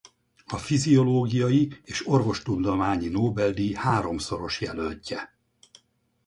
A fiziológiai és orvostudományi Nobel-díj háromszoros jelöltje.